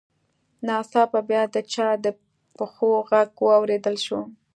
ناڅاپه بیا د چا د پښو غږ واورېدل شو